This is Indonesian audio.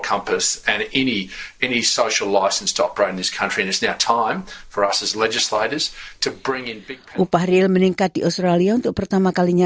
upah real meningkat di australia untuk pertama kalinya